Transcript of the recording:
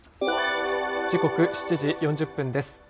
時刻７時４０分です。